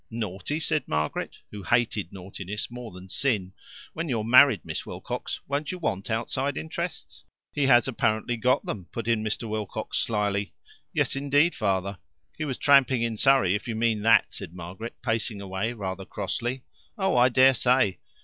"Naughty?" said Margaret, who hated naughtiness more than sin. "When you're married, Miss Wilcox, won't you want outside interests?" "He has apparently got them," put in Mr. Wilcox slyly. "Yes, indeed, Father." "He was tramping in Surrey, if you mean that," said Margaret, pacing away rather crossly. "Oh, I dare say!"